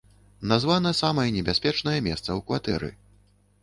Названа самае небяспечнае месца ў кватэры.